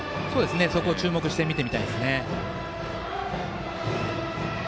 そこを注目して見てみたいですね。